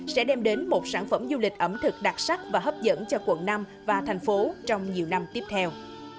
sẽ đem đến một sản phẩm du lịch ẩm thực đặc sắc và hấp dẫn cho quận năm và thành phố trong nhiều năm tiếp theo